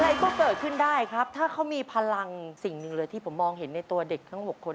อะไรก็เกิดขึ้นได้ครับถ้าเขามีพลังสิ่งหนึ่งเลยที่ผมมองเห็นในตัวเด็กทั้ง๖คน